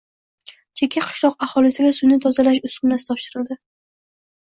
Chekka qishloq aholisiga suvni tozalash uskunasi topshirildi